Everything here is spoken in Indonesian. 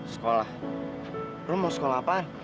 sekolah lo mau sekolah apaan